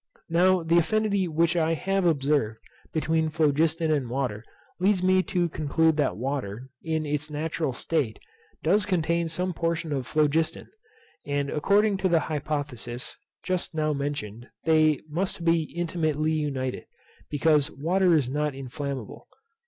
Now the affinity which I have observed between phlogiston and water leads me to conclude that water, in its natural state, does contain some portion of phlogiston; and according to the hypothesis just now mentioned they must be intimately united, because water is not inflammable.